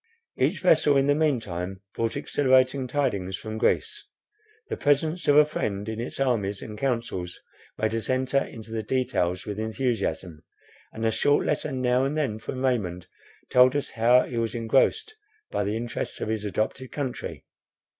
Each vessel in the mean time brought exhilarating tidings from Greece. The presence of a friend in its armies and councils made us enter into the details with enthusiasm; and a short letter now and then from Raymond told us how he was engrossed by the interests of his adopted country.